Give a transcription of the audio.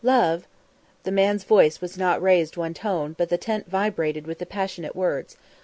"Love!" The man's voice was not raised one tone, but the tent vibrated with the passionate words.